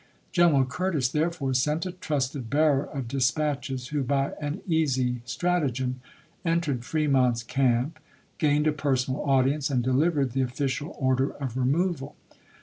G eneral Curtis therefore sent a trusted bearer of dispatches, who, by an easy strat agem, entered Fremont's camp, gained a personal audience, and delivered the official order of removal.